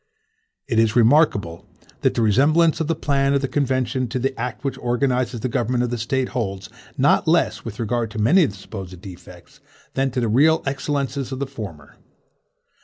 It is remarkable, that the resemblance of the plan of the convention to the act which organizes the government of this State holds, not less with regard to many of the supposed defects, than to the real excellences of the former.